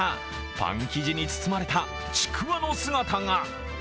パン生地に包まれたちくわの姿が。